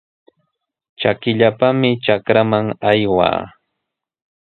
Trakipallami trakraman aywaa.